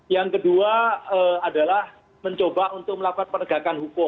yang kedua adalah mencoba untuk melakukan penegakan hukum